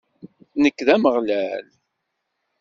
Nekk, d Ameɣlal.